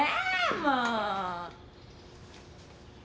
もう。